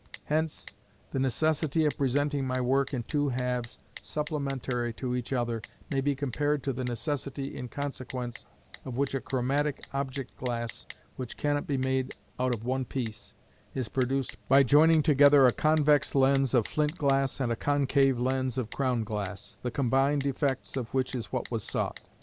Hence the necessity of presenting my work in two halves supplementary to each other may be compared to the necessity in consequence of which a chromatic object glass, which cannot be made out of one piece, is produced by joining together a convex lens of flint glass and a concave lens of crown glass, the combined effect of which is what was sought.